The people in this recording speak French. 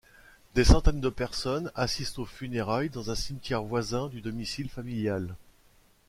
Des centaines de personnes assistent aux funérailles dans un cimetière voisin du domicile familial.